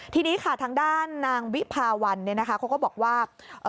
ทีนี้ค่ะทางด้านนางวิภาวัลเขาก็บอกว่า